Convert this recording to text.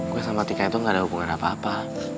gue sama tika itu gak ada hubungan apa apa